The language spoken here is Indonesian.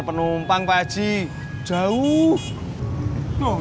beberapa j ummme